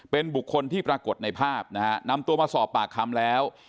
เป็นบุคคลที่ปรากฏในภาพนะฮะนำตัวมาสอบปากคำแล้ว